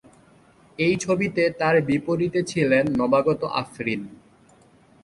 এই ছবিতে তার বিপরীতে ছিলেন নবাগত আফরিন।